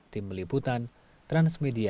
tim meliputan transmedia